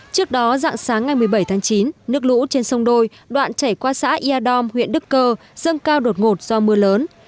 trước đó dạng sáng ngày một mươi bảy tháng chín nước lũ trên sông đôi đoạn chảy qua xã ia dom huyện đức cơ dâng cao đột ngột do mưa lớn